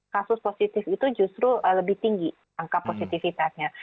kasus positif itu justru lebih tinggi angka positifitasnya